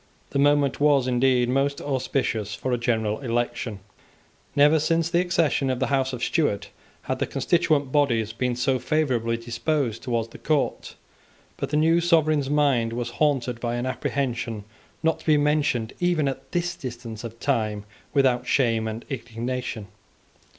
The moment was, indeed most auspicious for a general election. Never since the accession of the House of Stuart had the constituent bodies been so favourably disposed towards the Court. But the new sovereign's mind was haunted by an apprehension not to be mentioned even at this distance of time, without shame and indignation.